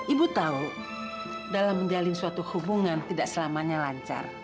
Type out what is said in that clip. ibu tahu dalam menjalin suatu hubungan tidak selamanya lancar